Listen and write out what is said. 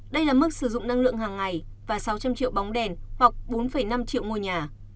đây là mức sử dụng năng lượng hàng ngày và sáu trăm linh triệu bóng đèn hoặc bốn năm triệu ngôi nhà